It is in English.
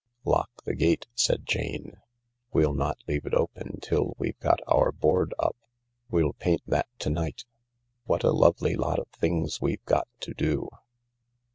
" Lock the gate," said Jane. " We'll not leave it open till we've got our board up. We'll paint that to night. What a lovely lot of things we've got to do."